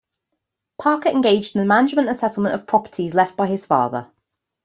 Parker engaged in the management and settlement of properties left by his father.